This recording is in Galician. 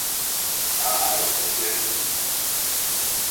¿A Aló Presidente?